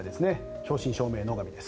正真正銘、野上です。